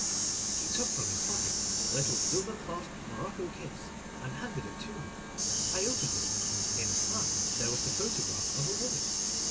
He took from his pocket a little silver clasped morocco case, and handed it to me. I opened it. Inside there was the photograph of a woman.